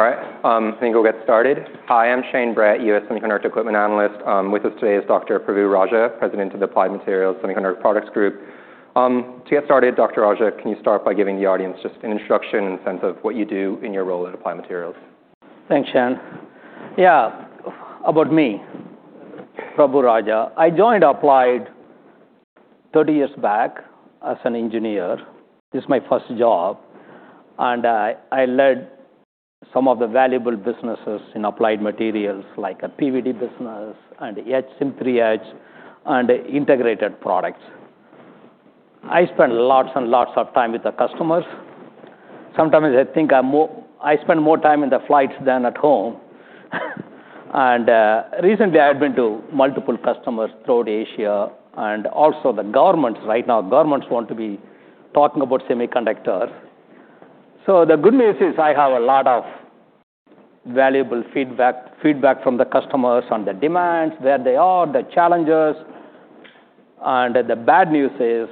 I think we'll get started. Hi, I'm Joseph Moore, U.S. Semiconductor Equipment Analyst. With us today is Dr. Prabu Raja, President of Applied Materials Semiconductor Products Group. To get started, Dr. Raja, can you start by giving the audience just an introduction and sense of what you do in your role at Applied Materials? Thanks, Shane. Yeah. About me, Prabu Raja, I joined Applied 30 years back as an engineer. This is my first job, and I led some of the valuable businesses in Applied Materials, like a PVD business and three etch and integrated products. I spent lots and lots of time with the customers. Sometimes I think I spend more time in the flights than at home. Recently I had been to multiple customers throughout Asia and also the governments. Right now, governments want to be talking about semiconductors. The good news is I have a lot of valuable feedback from the customers on the demands, where they are, the challenges. The bad news is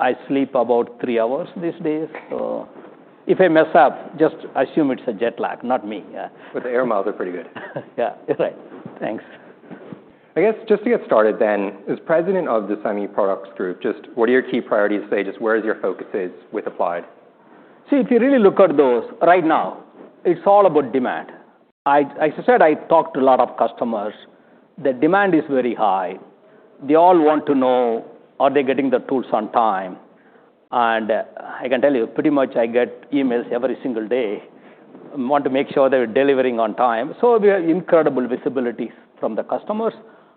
I sleep about three hours these days. If I mess up, just assume it's a jet lag, not me. Yeah. The air miles are pretty good. Yeah. That's right. Thanks. I guess just to get started then, as president of the Semi Products Group, just what are your key priorities today? Just where is your focuses with Applied? See, if you really look at those right now, it's all about demand. I, as I said, I talked to a lot of customers. The demand is very high. They all want to know are they getting the tools on time. I can tell you, pretty much I get emails every single day and want to make sure they're delivering on time. We have incredible visibility from the customers.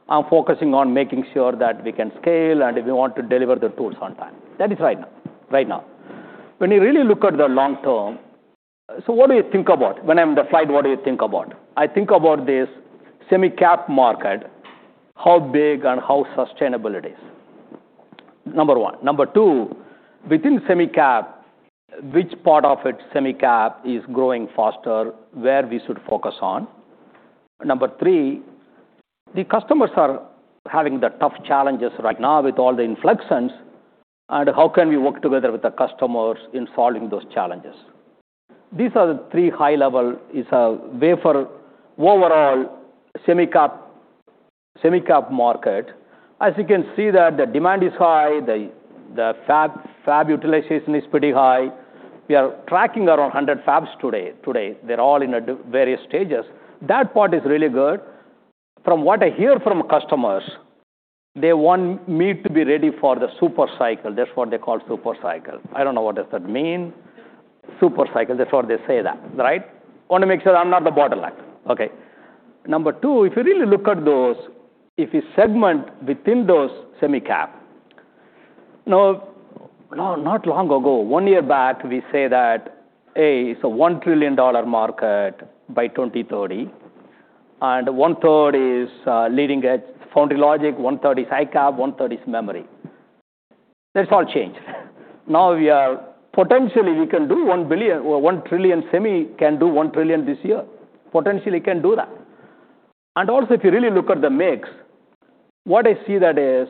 I'm focusing on making sure that we can scale and we want to deliver the tools on time. That is right now. When you really look at the long term, what do you think about? When I'm in the flight, what do you think about? I think about this semi cap market, how big and how sustainable it is, number one. Number two, within semi cap, which part of semi cap is growing faster, where we should focus on. Number three, the customers are having the tough challenges right now with all the influxes. How can we work together with the customers in solving those challenges? These are the three high level is a wafer overall semi cap market. As you can see that the demand is high. The fab utilization is pretty high. We are tracking around 100 fabs today. Today, they're all in various stages. That part is really good. From what I hear from customers, they want me to be ready for the super cycle. That's what they call super cycle. I don't know what does that mean. Super cycle, that's what they say that, right? Wanna make sure I'm not the bottleneck. Okay. Number two, if you really look at those, if you segment within those semi cap. Not long ago, one year back, we say that, "Hey, it's a $1 trillion market by 2030, 1/3 is leading at Foundry logic, 1/3 is ICAPS, 1/3 is memory." That's all changed. Potentially we can do $1 billion or $1 trillion semi can do $1 trillion this year. Potentially can do that. If you really look at the mix, what I see that is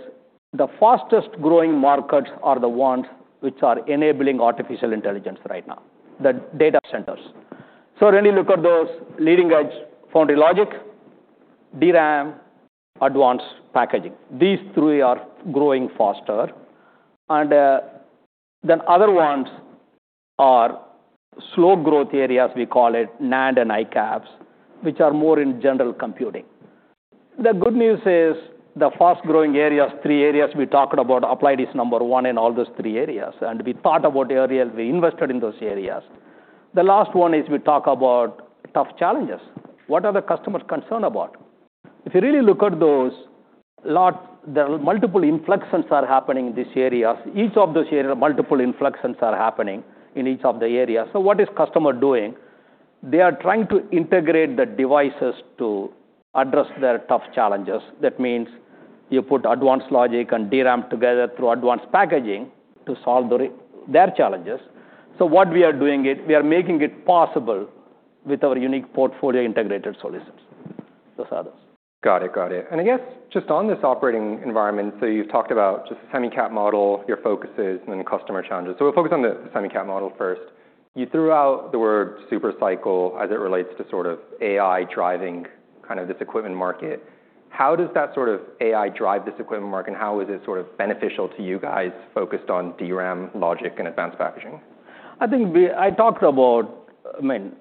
the fastest growing markets are the ones which are enabling artificial intelligence right now, the data centers. When you look at those leading edge Foundry logic, DRAM, advanced packaging, these three are growing faster. Other ones are slow growth areas, we call it NAND and ICAPS, which are more in general computing. The good news is the fast-growing areas, three areas we talked about, Applied is number one in all those three areas. We thought about areas, we invested in those areas. The last one is we talk about tough challenges. What are the customers concerned about? If you really look at those, there are multiple influxes are happening in these areas. Each of those areas, multiple influxes are happening in each of the areas. What is customer doing? They are trying to integrate the devices to address their tough challenges. That means you put advanced logic and DRAM together through advanced packaging to solve their challenges. What we are doing is we are making it possible with our unique portfolio integrated solutions. Those are those. Got it. Got it. I guess just on this operating environment, you've talked about just semi cap model, your focuses and then customer challenges. We'll focus on the semi cap model first. You threw out the word super cycle as it relates to sort of AI driving kind of this equipment market. How does that sort of AI drive this equipment market, and how is it sort of beneficial to you guys focused on DRAM logic and advanced packaging? I think I talked about, I mean,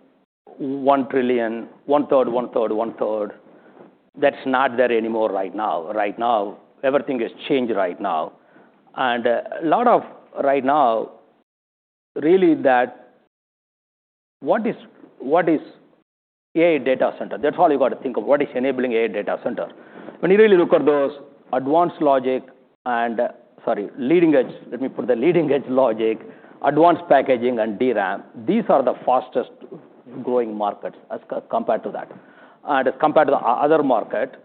1 trillion, 1/3, 1/3, 1/3. That's not there anymore right now. Everything has changed right now. A lot of right now really that what is, what is a data center? That's all you got to think of. What is enabling a data center? When you really look at those advanced logic Sorry, leading edge, let me put the leading edge logic, advanced packaging and DRAM. These are the fastest growing markets as compared to that, compared to the other market.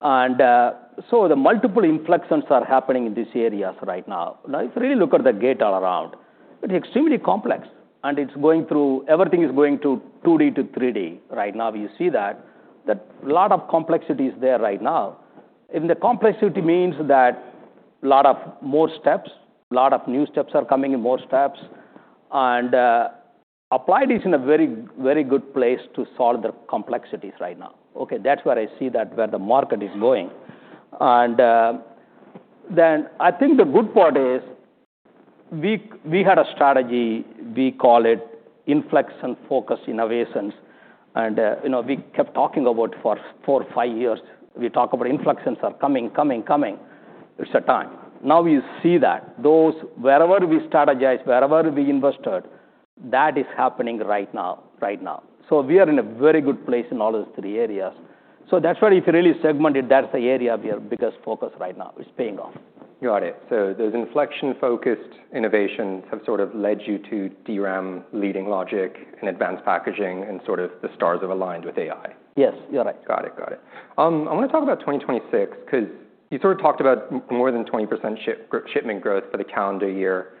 The multiple influxes are happening in these areas right now. If you really look at the Gate-All-Around, it's extremely complex and it's going through everything is going to 2D to 3D right now. You see that lot of complexity is there right now. The complexity means lot of more steps, lot of new steps are coming, and more steps. Applied is in a very, very good place to solve the complexities right now, okay? That's where I see that, where the market is going. I think the good part is we had a strategy, we call it inflection-focused innovations. You know, we kept talking about for four, five years. We talk about inflections are coming. It's time. Now we see that those wherever we strategize, wherever we invested, that is happening right now. We are in a very good place in all those three areas. That's why if you really segment it, that's the area of your biggest focus right now. It's paying off. Got it. Those inflection-focused innovations have sort of led you to DRAM leading logic and advanced packaging, and sort of the stars have aligned with AI. Yes. You got it. Got it. Got it. I wanna talk about 2026 'cause you sort of talked about more than 20% shipment growth for the calendar year.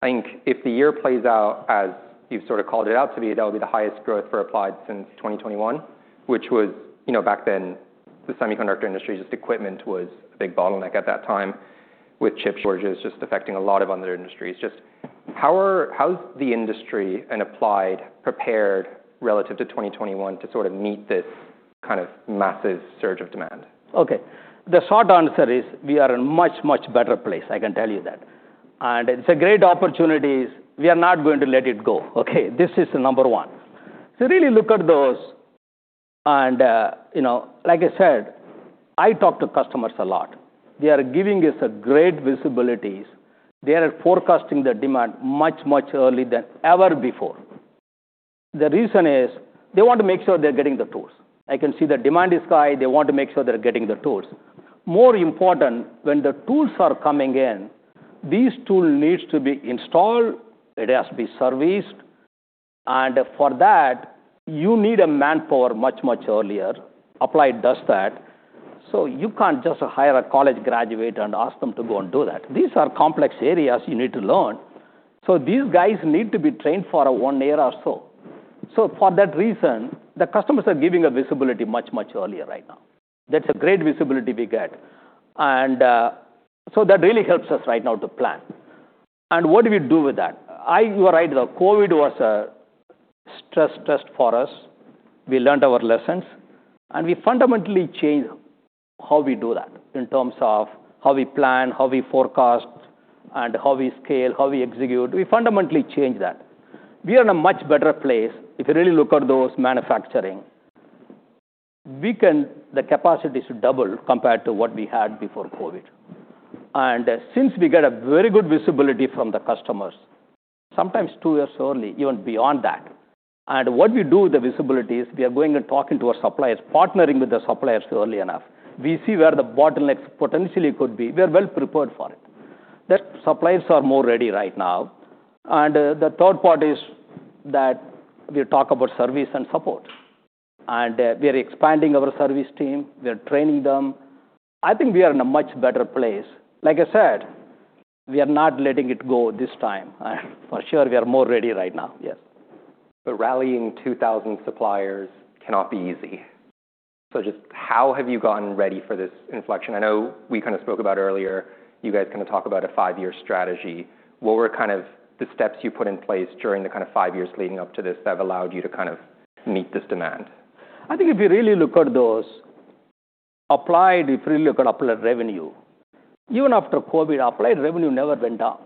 I think if the year plays out as you've sort of called it out to be, that'll be the highest growth for Applied since 2021, which was, you know, back then the semiconductor industry, just equipment was a big bottleneck at that time, with chip shortages just affecting a lot of other industries. How's the industry and Applied prepared relative to 2021 to sort of meet this kind of massive surge of demand? Okay. The short answer is we are in much, much better place, I can tell you that. It's a great opportunities. We are not going to let it go, okay? This is number one. Really look at those and, you know, like I said, I talk to customers a lot. They are giving us a great visibilities. They are forecasting the demand much, much early than ever before. The reason is they want to make sure they're getting the tools. I can see the demand is high, they want to make sure they're getting the tools. More important, when the tools are coming in, these tool needs to be installed, it has to be serviced, and for that, you need a manpower much, much earlier. Applied does that. You can't just hire a college graduate and ask them to go and do that. These are complex areas you need to learn. These guys need to be trained for one year or so. For that reason, the customers are giving a visibility much, much earlier right now. That's a great visibility we get. That really helps us right now to plan. What do we do with that? You are right. The COVID was a stress test for us. We learned our lessons, and we fundamentally changed how we do that in terms of how we plan, how we forecast, and how we scale, how we execute. We fundamentally changed that. We are in a much better place if you really look at those manufacturing. The capacity should double compared to what we had before COVID. Since we get a very good visibility from the customers, sometimes two years early, even beyond that. What we do with the visibility is we are going and talking to our suppliers, partnering with the suppliers early enough. We see where the bottlenecks potentially could be. We are well prepared for it. The suppliers are more ready right now. The third part is that we talk about service and support, and we are expanding our service team, we are training them. I think we are in a much better place. Like I said, we are not letting it go this time. For sure, we are more ready right now. Yes. Rallying 2,000 suppliers cannot be easy. Just how have you gotten ready for this inflection? I know we kinda spoke about earlier, you guys kinda talk about a five-year strategy. What were kind of the steps you put in place during the kind of five years leading up to this that allowed you to kind of meet this demand? If you really look at those, Applied, if you really look at Applied revenue, even after COVID, Applied revenue never went down.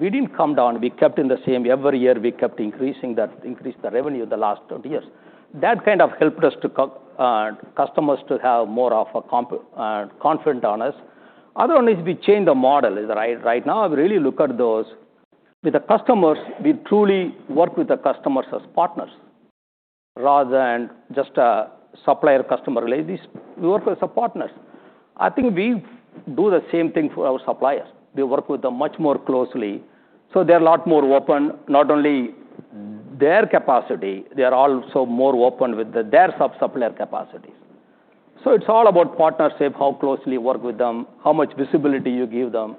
We didn't come down. We kept in the same. Every year, we kept increased the revenue the last 20 years. That kind of helped us to customers to have more of a confident on us. Other one is we changed the model. Right now, if you really look at those, with the customers, we truly work with the customers as partners rather than just a supplier-customer relationship. We work as a partners. I think we do the same thing for our suppliers. We work with them much more closely, so they're a lot more open, not only their capacity, they are also more open with their sub-supplier capacities. It's all about partnership, how closely work with them, how much visibility you give them,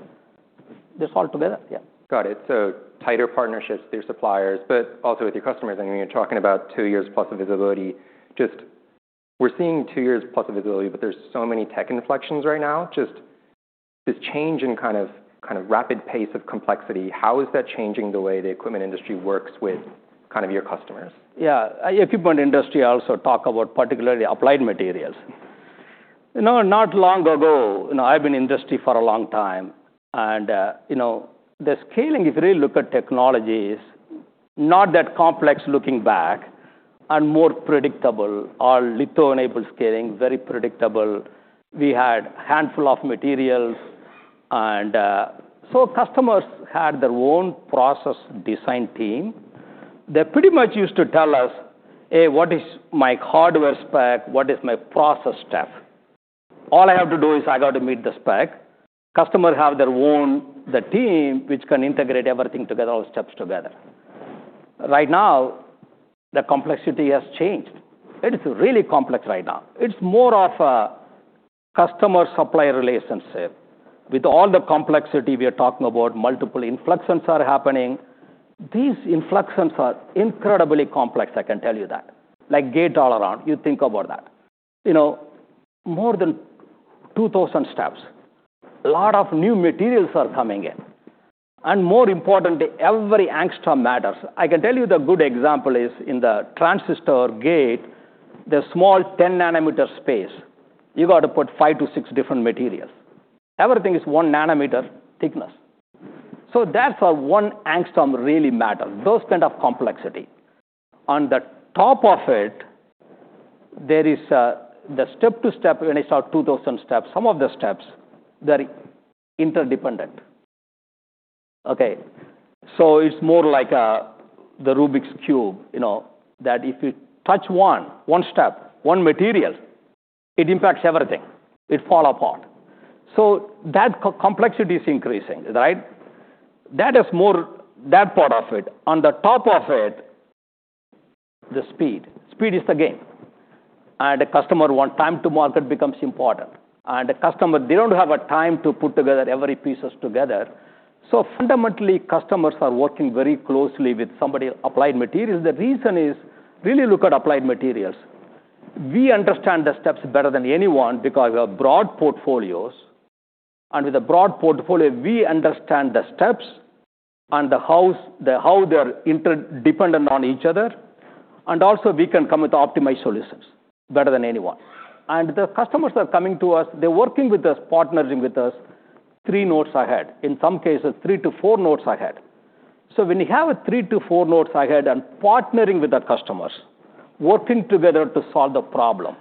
just all together. Yeah. Got it. Tighter partnerships with your suppliers, but also with your customers. I mean, you're talking about two years plus of visibility. We're seeing two years plusof visibility, there's so many tech inflections right now. This change in kind of rapid pace of complexity, how is that changing the way the equipment industry works with kind of your customers? Yeah. Equipment industry, I also talk about particularly Applied Materials. You know, not long ago, you know, I've been in industry for a long time and, you know, the scaling, if you really look at technologies, not that complex looking back and more predictable. Our litho-enabled scaling, very predictable. We had handful of materials and, so customers had their own process design team. They pretty much used to tell us, "Hey, what is my hardware spec? What is my process step? All I have to do is I got to meet the spec." Customer have their own, the team which can integrate everything together, all steps together. Right now, the complexity has changed. It is really complex right now. It's more of a customer-supplier relationship. With all the complexity we are talking about, multiple influxes are happening. These influxes are incredibly complex, I can tell you that. Gate-All-Around, you think about that. You know, more than 2,000 steps. A lot of new materials are coming in. More importantly, every angstrom matters. I can tell you the good example is in the transistor gate, the small 10 nanometer space, you got to put five to six different materials. Everything is 1 nanometer thickness. Therefore, one angstrom really matters, those kind of complexity. On the top of it, there is the step to step, when I saw 2,000 steps, some of the steps, they're interdependent. Okay? It's more like the Rubik's cube, you know. That if you touch one step, one material, it impacts everything. It fall apart. That complexity is increasing, right? That is more that part of it. On the top of it, the speed. Speed is the game. The customer want time to market becomes important. The customer, they don't have a time to put together every pieces together. Fundamentally, customers are working very closely with somebody, Applied Materials. The reason is, really look at Applied Materials. We understand the steps better than anyone because we have broad portfolios. With a broad portfolio, we understand the steps and the how they're interdependent on each other. We can come with optimized solutions better than anyone. The customers are coming to us, they're working with us, partnering with us three nodes ahead. In some cases, three to four nodes ahead. When you have a three to four nodes ahead and partnering with our customers, working together to solve the problem,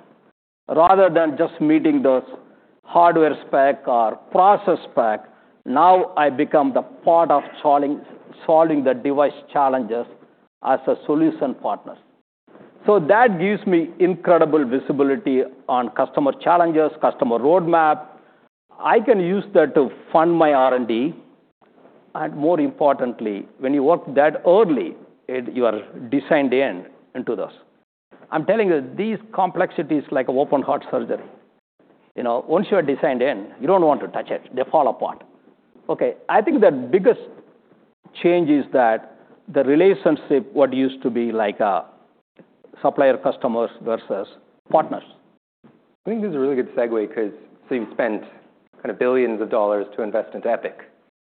rather than just meeting those hardware spec or process spec, now I become the part of solving the device challenges as a solution partner. That gives me incredible visibility on customer challenges, customer roadmap. I can use that to fund my R&D. More importantly, when you work that early, you are designed in into this. I'm telling you, these complexities like open heart surgery. You know, once you are designed in, you don't want to touch it. They fall apart. I think the biggest change is that the relationship, what used to be like a supplier customers versus partners. I think this is a really good segue 'cause you've spent kind of $ billions to invest into EPIC.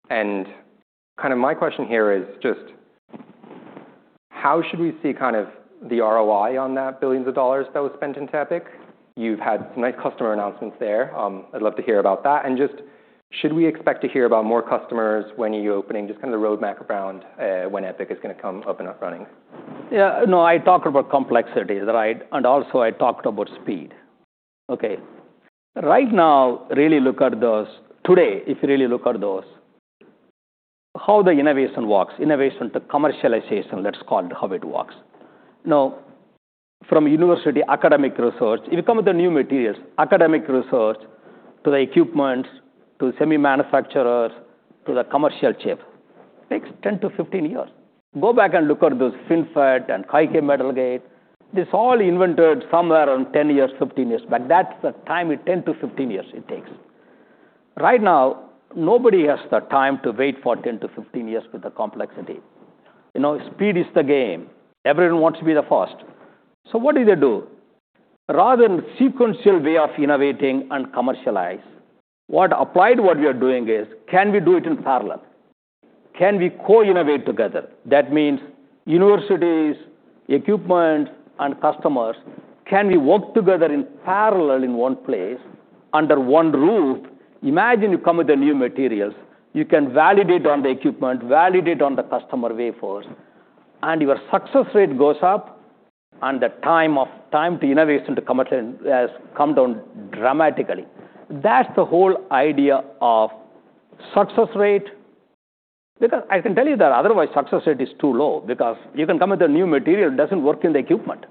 Kind of my question here is just how should we see kind of the ROI on that $ billions that was spent into EPIC? You've had some nice customer announcements there. I'd love to hear about that. Just should we expect to hear about more customers? When are you opening? Just kind of the roadmap around when EPIC is gonna come up and up running. Yeah. No, I talked about complexity, right? Also I talked about speed. Okay. Right now, really today, if you really look at those, how the innovation works, innovation to commercialization, let's call it how it works. From university academic research, if you come with the new materials, academic research to the equipments, to semi manufacturers, to the commercial chip, takes 10-15 years. Go back and look at those FinFET and high-k metal gate. This all invented somewhere around 10 years, 15 years, but that's the time it 10-15 years it takes. Right now, nobody has the time to wait for 10 to 15 years with the complexity. You know, speed is the game. Everyone wants to be the first. What do they do? Rather than sequential way of innovating and commercialize, what Applied we are doing is, can we do it in parallel? Can we co-innovate together? That means universities, equipment, and customers, can we work together in parallel in one place under one roof? Imagine you come with the new materials. You can validate on the equipment, validate on the customer wafers, and your success rate goes up and the time to innovation to come has come down dramatically. That's the whole idea of success rate. I can tell you that otherwise success rate is too low because you can come with a new material, it doesn't work in the equipment.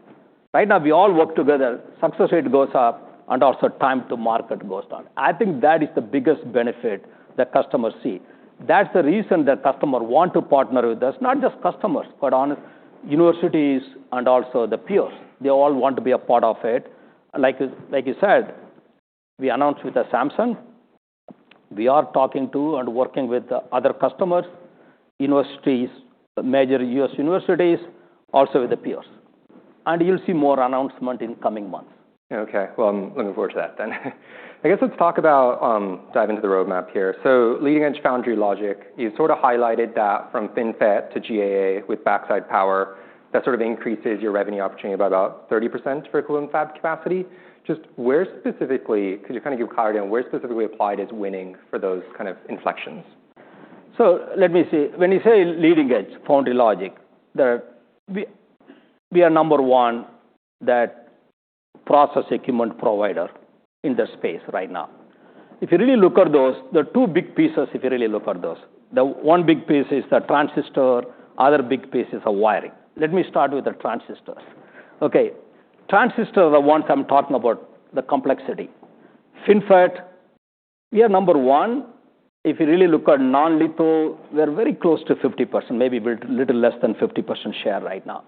Right now, we all work together, success rate goes up and also time to market goes down. I think that is the biggest benefit the customers see. That's the reason the customer want to partner with us. Not just customers, but on universities and also the peers. They all want to be a part of it. Like you said, we announced with the Samsung. We are talking to and working with the other customers, universities, major U.S. universities, also with the peers. You'll see more announcement in coming months. I'm looking forward to that then. I guess let's talk about, dive into the roadmap here. Leading-edge foundry logic, you sort of highlighted that from FinFET to GAA with backside power, that sort of increases your revenue opportunity by about 30% for equivalent fab capacity. Just where specifically, 'cause you kind of gave color there, where specifically Applied is winning for those kind of inflections? Let me see. When you say leading-edge foundry logic, we are number one that process equipment provider in that space right now. If you really look at those, there are two big pieces if you really look at those. The one big piece is the transistor, other big piece is the wiring. Let me start with the transistors. Okay. Transistors are one time talking about the complexity. FinFET, we are number one. If you really look at non-litho, we're very close to 50%, maybe little less than 50% share right now.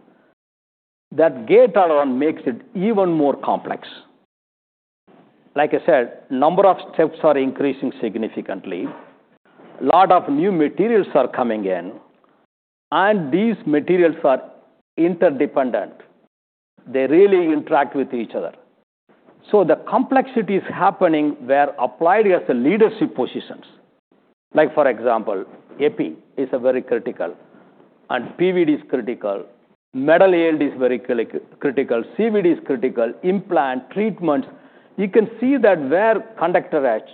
That Gate-All-Around makes it even more complex. Like I said, number of steps are increasing significantly. Lot of new materials are coming in, and these materials are interdependent. They really interact with each other. The complexities happening where Applied has a leadership positions. Like for example, EPI is a very critical, and PVD is critical. Metal yield is very critical. CVD is critical. Implant, treatments. You can see that where conductor etch,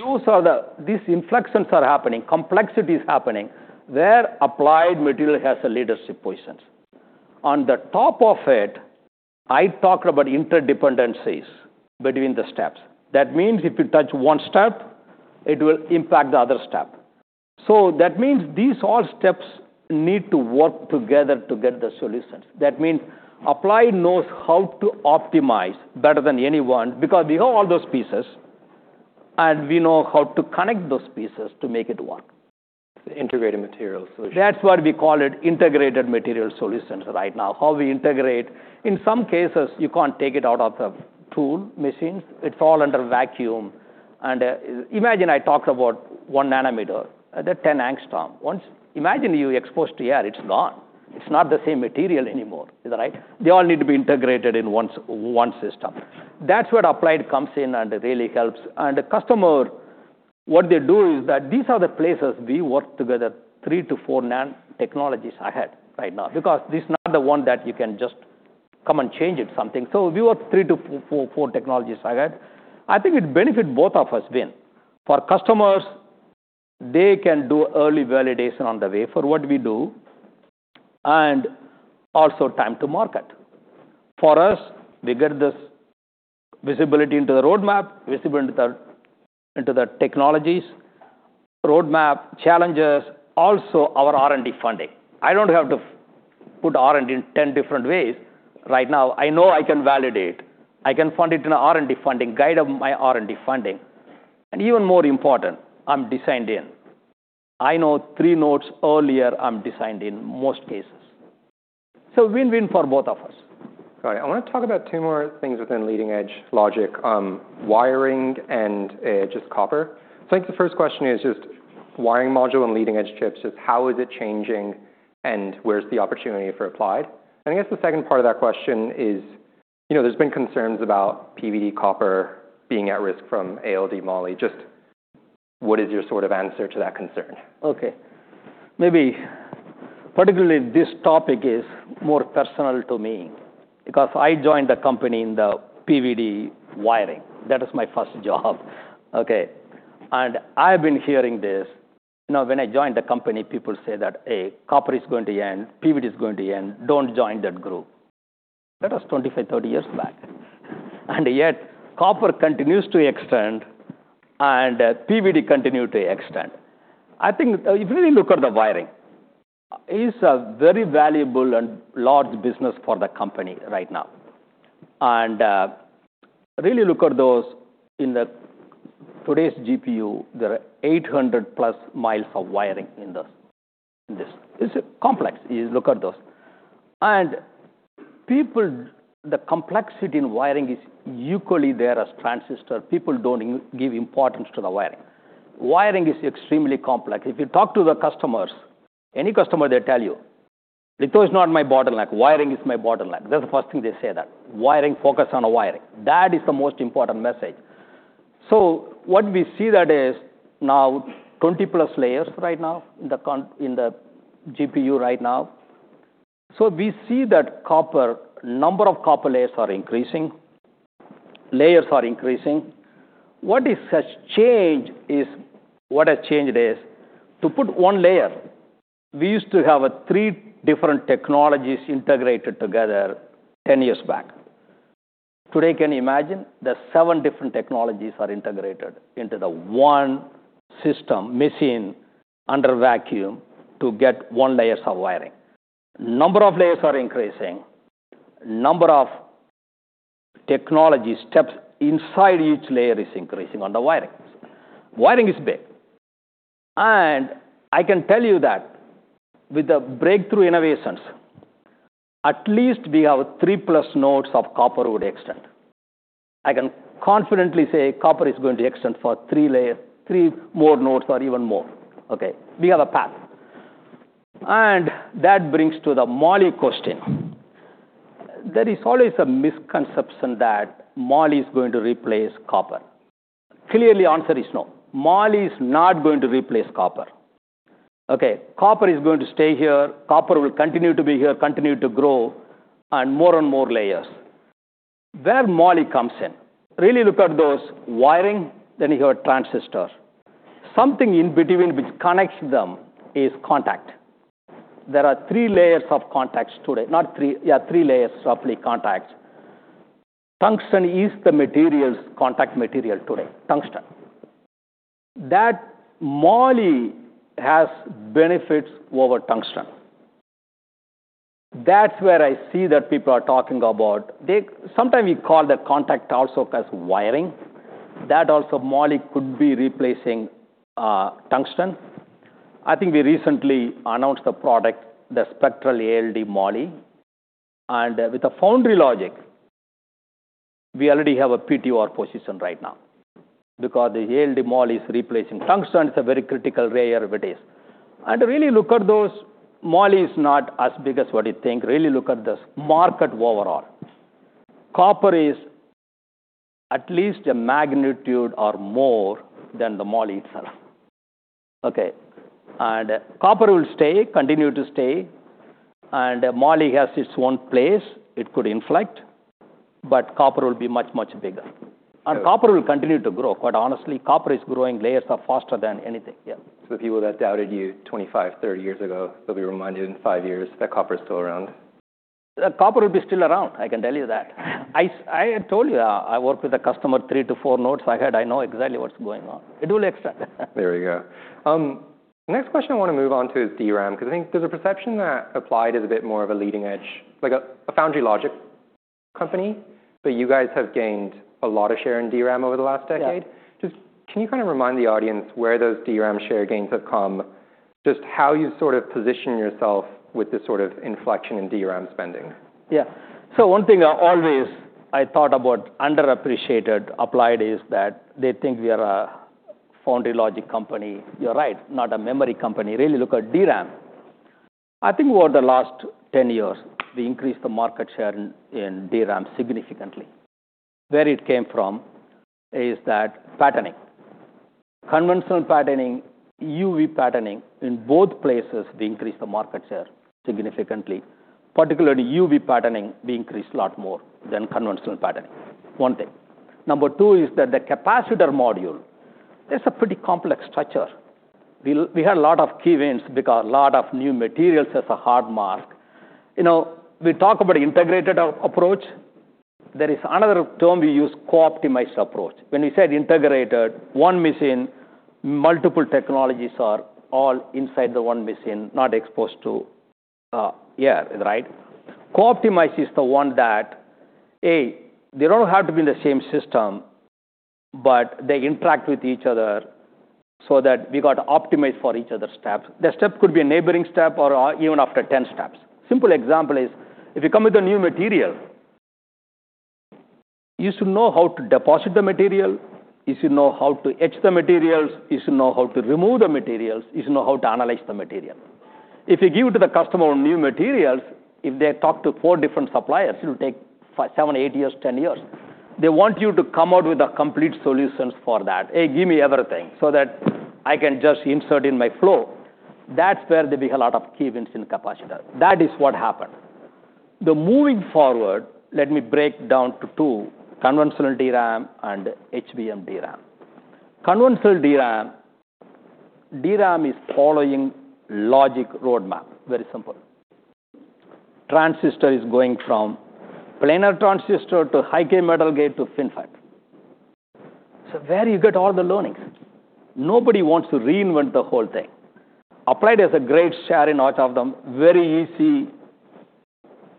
those are these inflections are happening, complexity is happening, where Applied Materials has a leadership positions. On the top of it, I talked about interdependencies between the steps. That means these all steps need to work together to get the solutions. That means Applied knows how to optimize better than anyone because we own all those pieces, and we know how to connect those pieces to make it work. The Integrated Materials Solution. That's why we call it Integrated Materials Solution right now. How we integrate. In some cases, you can't take it out of the tool, machines. It's all under vacuum. Imagine I talked about 1 nanometer, the 10 angstrom. Imagine you exposed to air, it's gone. It's not the same material anymore. Is that right? They all need to be integrated in one system. That's where Applied comes in and really helps. The customer, what they do is that these are the places we work together three to four nan technologies ahead right now, because this is not the one that you can just come and change it something. We work three to four technologies ahead. I think it benefit both of us win. For customers, they can do early validation on the wafer what we do, and also time to market. For us, we get this visibility into the roadmap, visibility into the technologies, roadmap, challenges, also our R&D funding. I don't have to put R&D in 10 different ways right now. I know I can validate. I can fund it in R&D funding, guide of my R&D funding. Even more important, I'm designed in. I know three nodes earlier, I'm designed in most cases. Win-win for both of us. All right. I wanna talk about two more things within leading edge logic, wiring and just copper. I think the first question is just wiring module and leading edge chips, just how is it changing, and where's the opportunity for Applied? I guess the second part of that question is, you know, there's been concerns about PVD copper being at risk from ALD Moly. Just what is your sort of answer to that concern? Okay. Maybe particularly this topic is more personal to me because I joined the company in the PVD wiring. That is my first job. Okay. I've been hearing this, you know, when I joined the company, people say that, hey, copper is going to end. PVD is going to end. Don't join that group. That was 25, 30 years back. Yet, copper continues to extend and PVD continue to extend. I think if you really look at the wiring, is a very valuable and large business for the company right now. Really look at those in the today's GPU, there are 800+ miles of wiring in this, in this. It's complex if you look at those. The complexity in wiring is equally there as transistor. People don't give importance to the wiring. Wiring is extremely complex. If you talk to the customers, any customer, they tell you, "litho is not my bottleneck. Wiring is my bottleneck." That's the first thing they say that. Wiring, focus on the wiring. That is the most important message. What we see that is now 20+ layers right now in the GPU right now. We see that copper, number of copper layers are increasing. Layers are increasing. What has changed is, to put one layer, we used to have three different technologies integrated together 10 years back. Today, can you imagine? There's seven different technologies are integrated into the one system, machine, under vacuum to get one layers of wiring. Number of layers are increasing. Number of technology steps inside each layer is increasing on the wiring. Wiring is big. I can tell you that with the breakthrough innovations, at least we have three-plus nodes of copper would extend. I can confidently say copper is going to extend for three more nodes or even more. Okay? We have a path. That brings to the moly question. There is always a misconception that moly is going to replace copper. Clearly, answer is no. Moly is not going to replace copper. Okay. Copper is going to stay here. Copper will continue to be here, continue to grow on more and more layers. Where moly comes in, really look at those wiring, then you have transistor. Something in between which connects them is contact. There are three layers of contacts today. Yeah, three layers of contacts. tungsten is the materials, contact material today. tungsten. That moly has benefits over tungsten. That's where I see that people are talking about. Sometimes we call the contact also as wiring. That also moly could be replacing tungsten. I think we recently announced the product, the Spectral ALD Moly. With the foundry logic, we already have a BTR position right now because the ALD Moly is replacing tungsten. It's a very critical rare of it is. Really look at those molys not as big as what you think. Really look at this market overall. Copper is at least a magnitude or more than the moly itself. Okay. Copper will stay, continue to stay, and moly has its own place. It could inflect, but copper will be much, much bigger. Sure. Copper will continue to grow. Quite honestly, copper is growing layers of faster than anything. Yeah. The people that doubted you 25, 30 years ago, they'll be reminded in five years that copper is still around. Copper will be still around, I can tell you that. I had told you, I worked with a customer three to four nodes ahead. I know exactly what's going on. It will excel. There we go. Next question I wanna move on to is DRAM, 'cause I think there's a perception that Applied is a bit more of a leading edge, like a foundry logic company, but you guys have gained a lot of share in DRAM over the last decade. Yeah. Can you kind of remind the audience where those DRAM share gains have come, just how you sort of position yourself with this sort of inflection in DRAM spending? Yeah. One thing I always I thought about underappreciated Applied is that they think we are a foundry logic company. You're right, not a memory company. Really look at DRAM. I think over the last 10 years, we increased the market share in DRAM significantly. Where it came from is that patterning. Conventional patterning, EUV patterning, in both places, we increased the market share significantly. Particularly EUV patterning, we increased a lot more than conventional patterning. One thing. Number two is that the capacitor module, it's a pretty complex structure. We had a lot of key wins because a lot of new materials as a hard mask. You know, we talk about integrated approach. There is another term we use, co-optimized approach. When we said integrated, one machine, multiple technologies are all inside the one machine, not exposed to air, right? Co-optimized is the one that, A, they don't have to be in the same system. They interact with each other so that we got to optimize for each other's steps. The step could be a neighboring step or even after 10 steps. Simple example is if you come with a new material, you should know how to deposit the material, you should know how to etch the materials, you should know how to remove the materials, you should know how to analyze the material. If you give to the customer new materials, if they talk to four different suppliers, it'll take five, seven, eight years, 10 years. They want you to come out with the complete solutions for that. "Hey, give me everything so that I can just insert in my flow." That's where they be a lot of key wins in capacitor. That is what happened. The moving forward, let me break down to two, conventional DRAM and HBM DRAM. Conventional DRAM is following logic roadmap. Very simple. Transistor is going from planar transistor to high-k metal gate to FinFET. Where you get all the learnings? Nobody wants to reinvent the whole thing. Applied has a great share in each of them. Very easy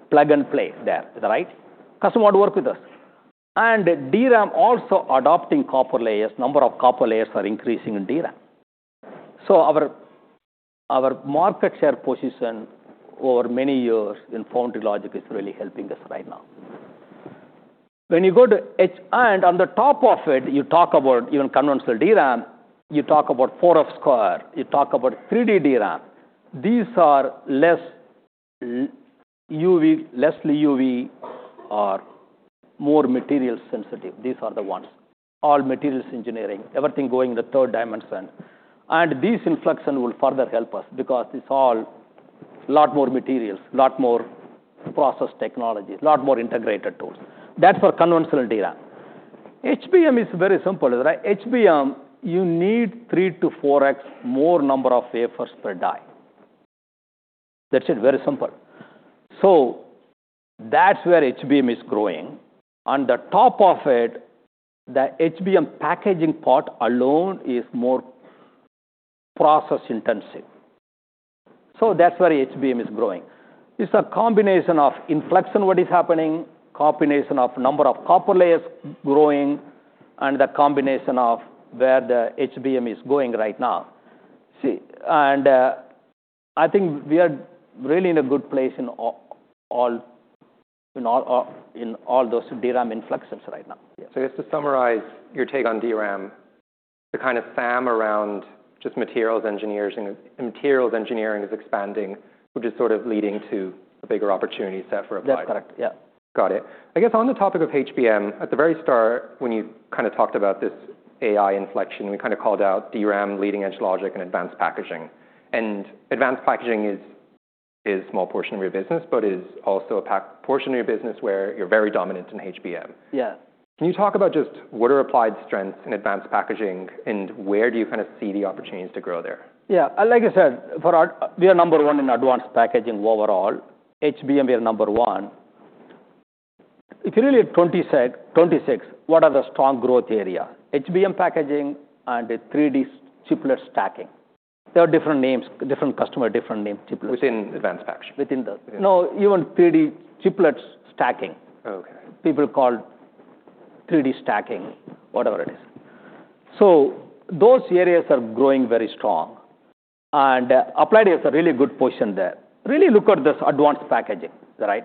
plug and play there. Is that right? Customer would work with us. DRAM also adopting copper layers, number of copper layers are increasing in DRAM. Our market share position over many years in foundry logic is really helping us right now. When you go to and on the top of it, you talk about even conventional DRAM, you talk about 4F², you talk about 3D DRAM. These are less EUV or more material sensitive. These are the ones. All materials engineering, everything going in the third dimension. This inflection will further help us because it's all a lot more materials, a lot more process technologies, a lot more integrated tools. That's for conventional DRAM. HBM is very simple, right? HBM, you need 3x-4x more number of wafers per die. That's it. Very simple. That's where HBM is growing. On the top of it, the HBM packaging part alone is more process intensive. That's where HBM is growing. It's a combination of inflection, what is happening, combination of number of copper layers growing, and the combination of where the HBM is going right now. See, I think we are really in a good place in all those DRAM influxes right now. Yeah. Just to summarize your take on DRAM, the kind of TAM around just materials engineers and materials engineering is expanding, which is sort of leading to a bigger opportunity set for Applied. That's correct. Yeah. Got it. I guess on the topic of HBM, at the very start when you kinda talked about this AI inflection, we kinda called out DRAM, leading-edge logic and advanced packaging. Advanced packaging is small portion of your business, but is also portion of your business where you're very dominant in HBM. Yeah. Can you talk about just what are Applied's strengths in advanced packaging, and where do you kinda see the opportunities to grow there? Yeah. Like I said, we are number one in advanced packaging overall. HBM, we are number one. If you really at 26, what are the strong growth area? HBM packaging and the 3D chiplet stacking. There are different names, different customer, different name chiplets. Within advanced packaging. Within the. Yeah. No, even 3D chiplet stacking. Okay. 3D stacking, whatever it is. Those areas are growing very strong, and Applied has a really good position there. Really look at this advanced packaging, right?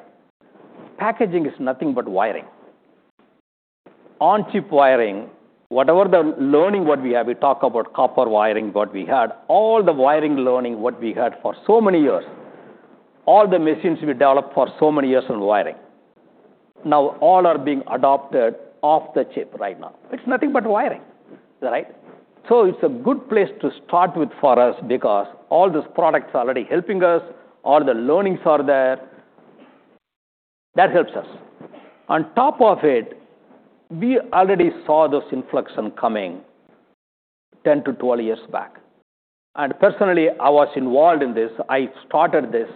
Packaging is nothing but wiring. On-chip wiring, whatever the learning what we have, we talk about copper wiring, what we had, all the wiring learning what we had for so many years, all the machines we developed for so many years on wiring, now all are being adopted off the chip right now. It's nothing but wiring, right? It's a good place to start with for us because all these products are already helping us, all the learnings are there. That helps us. On top of it, we already saw this influx on coming 10 to 12 years back. Personally, I was involved in this. I started this.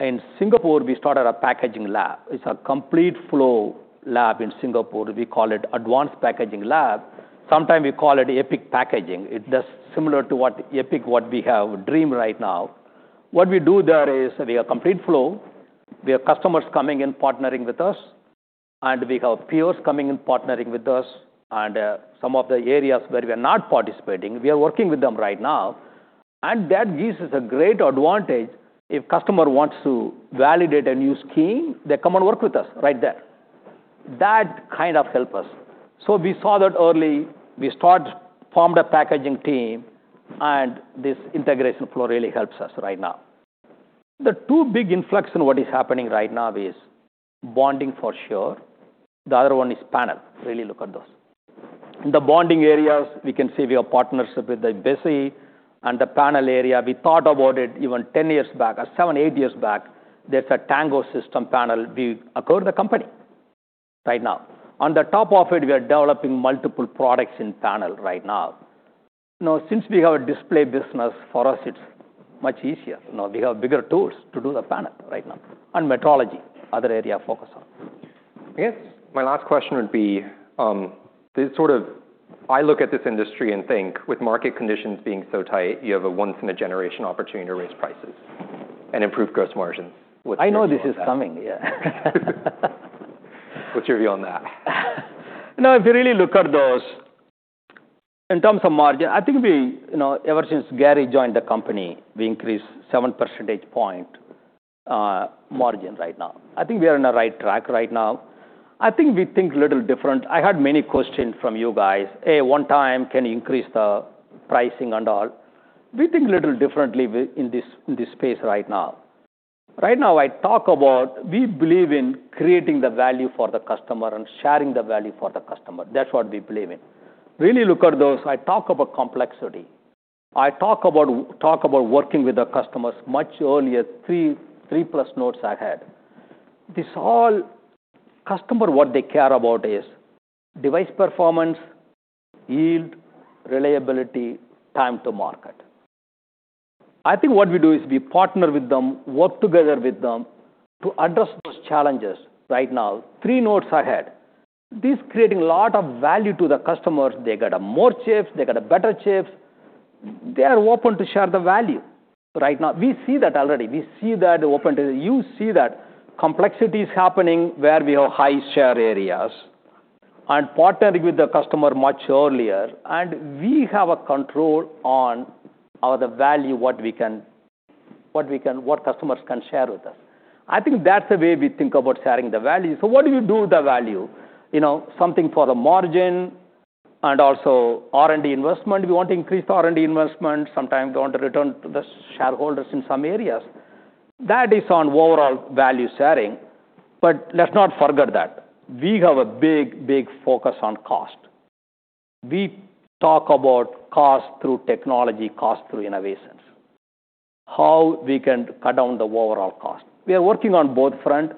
In Singapore, we started a packaging lab. It's a complete flow lab in Singapore. We call it Advanced Packaging Lab. Sometimes we call it EPIC Packaging, similar to what EPIC, what we have dream right now. What we do there is we have complete flow. We have customers coming and partnering with us, and we have peers coming and partnering with us. Some of the areas where we are not participating, we are working with them right now. That gives us a great advantage. If customer wants to validate a new scheme, they come and work with us right there. That kind of help us. We saw that early. We formed a packaging team, and this integration flow really helps us right now. The two big influx in what is happening right now is bonding, for sure. The other one is panel. Really look at those. The bonding areas, we can see we have partnership with the Besi. The panel area, we thought about it even 10 years back or seven, eight years back. There's a Tango Systems panel. We acquired the company right now. On the top of it, we are developing multiple products in panel right now. Since we have a display business, for us it's much easier. We have bigger tools to do the panel right now and metrology, other area of focus on. I guess my last question would be, I look at this industry and think with market conditions being so tight, you have a once in a generation opportunity to raise prices and improve gross margins with-. I know this is coming, yeah. What's your view on that? If you really look at those, in terms of margin, I think we, you know, ever since Gary joined the company, we increased 7 percentage point margin right now. I think we are on the right track right now. I think we think a little different. I had many questions from you guys. One time can you increase the pricing and all. We think a little differently in this, in this space right now. I talk about we believe in creating the value for the customer and sharing the value for the customer. That's what we believe in. Really look at those. I talk about complexity. I talk about working with the customers much earlier, three-plus nodes ahead. This all customer, what they care about is device performance, yield, reliability, time to market. I think what we do is we partner with them, work together with them to address those challenges right now, three nodes ahead. This creating a lot of value to the customers. They get a more chips, they get a better chips. They are open to share the value right now. We see that already. You see that complexity is happening where we have high share areas and partnering with the customer much earlier, and we have a control on the value, what customers can share with us. I think that's the way we think about sharing the value. What do you do with the value? You know, something for the margin and also R&D investment. We want to increase the R&D investment, sometimes we want to return to the shareholders in some areas. That is on overall value sharing. Let's not forget that we have a big, big focus on cost. We talk about cost through technology, cost through innovations, how we can cut down the overall cost. We are working on both front.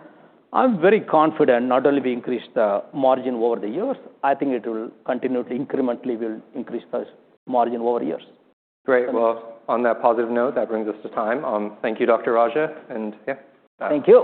I'm very confident not only we increase the margin over the years, I think it will continue to incrementally will increase those margin over years. Great. Well, on that positive note, that brings us to time. Thank you, Dr. Raja. Yeah. Thank you.